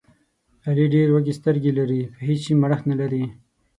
علي ډېرې وږې سترګې لري، په هېڅ شي مړښت نه لري.